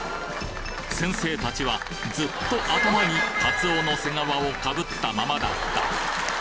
先生たちはずっと頭にカツオの背皮をかぶったままだった。